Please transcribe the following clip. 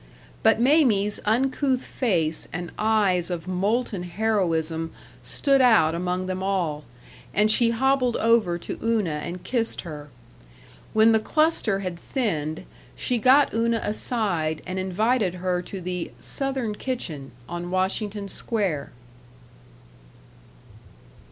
But Mamie's uncouth face and eyes of molten heroism stood out among them all, and she hobbled over to Una and kissed her. When the cluster had thinned, she got Una aside and invited her to the "Southern Kitchen," on Washington Square.